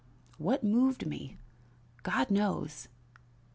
"What moved me? God knows.